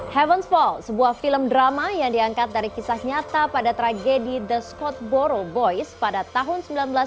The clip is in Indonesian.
heaven's fall sebuah film drama yang diangkat dari kisah nyata pada tragedi the scott borough boys pada tahun seribu sembilan ratus tiga puluh satu